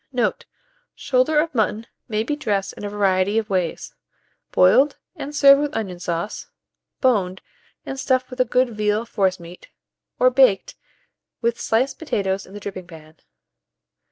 Note. Shoulder of mutton may be dressed in a variety of ways; boiled, and served with onion sauce; boned, and stuffed with a good veal forcemeat; or baked, with sliced potatoes in the dripping pan.